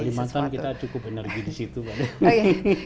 kalimantan kita cukup energi di situ kan